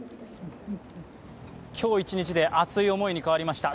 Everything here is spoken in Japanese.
今日一日で熱い想いに変わりました。